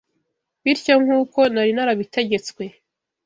Bityo nk’uko nari narabitegetswe